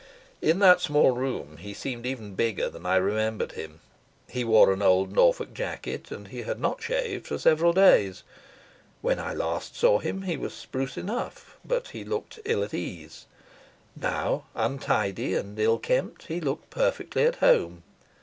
In that small room he seemed even bigger than I remembered him. He wore an old Norfolk jacket, and he had not shaved for several days. When last I saw him he was spruce enough, but he looked ill at ease: now, untidy and ill kempt, he looked perfectly at home.